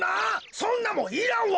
そんなもんいらんわ！